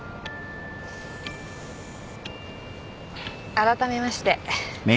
あらためまして。